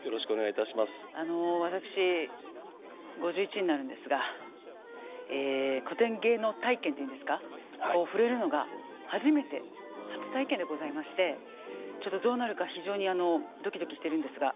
あの私５１になるんですが古典芸能体験というんですか触れるのが初めて初体験でございましてちょっとどうなるか非常にドキドキしてるんですが。